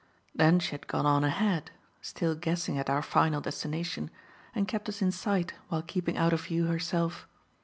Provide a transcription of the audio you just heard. Then she had gone on ahead still guessing at our final destination and kept us in sight while keeping out of view herself.